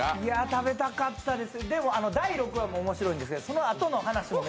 食べたかったです。